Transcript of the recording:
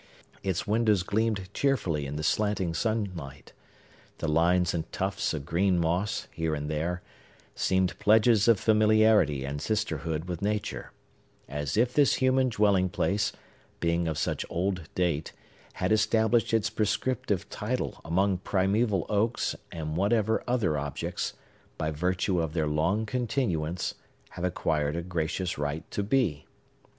Its windows gleamed cheerfully in the slanting sunlight. The lines and tufts of green moss, here and there, seemed pledges of familiarity and sisterhood with Nature; as if this human dwelling place, being of such old date, had established its prescriptive title among primeval oaks and whatever other objects, by virtue of their long continuance, have acquired a gracious right to be.